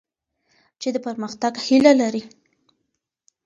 چي د پرمختګ هیله لرئ.